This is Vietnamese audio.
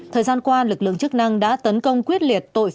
thời gian qua lực lượng chức năng đã tấn công quyết liệt